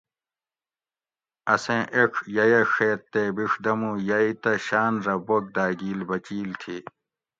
اسیں ایڄ ییہ ڛیت تے بِڛدمو یئی تہ شاۤن رہ بوک داگیل بچیل تھی